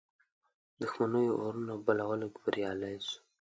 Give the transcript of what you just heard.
دښمنیو اورونو په بلولو کې بریالی سو.